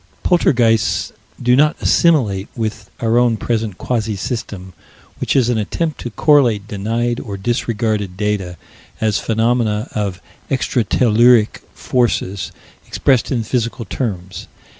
Poltergeists do not assimilate with our own present quasi system, which is an attempt to correlate denied or disregarded data as phenomena of extra telluric forces, expressed in physical terms.